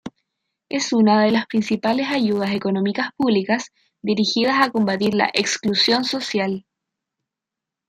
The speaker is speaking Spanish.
Es una de las principales ayudas económicas públicas dirigidas a combatir la exclusión social.